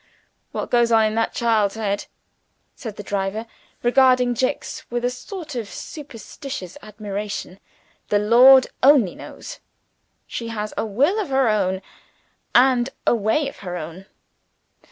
"What goes on in that child's head," said the driver, regarding Jicks with a sort of superstitious admiration, "the Lord only knows. She has a will of her own, and a way of her own.